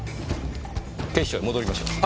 警視庁へ戻りましょう。